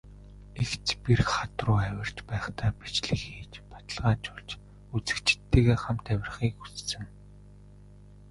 Эгц бэрх хад руу авирч байхдаа бичлэг хийж, баталгаажуулж, үзэгчидтэйгээ хамт авирахыг хүссэн.